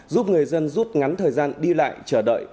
giúp người dân rút ngắn thời gian đi lại chờ đợi